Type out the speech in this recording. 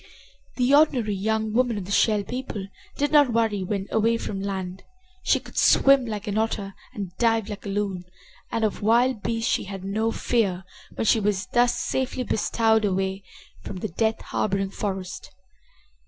The ordinary young woman of the Shell People did not worry when away from land. She could swim like an otter and dive like a loon, and of wild beasts she had no fear when she was thus safely bestowed away from the death harboring forest.